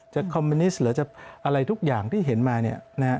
คอมมิวนิสต์หรือจะอะไรทุกอย่างที่เห็นมาเนี่ยนะฮะ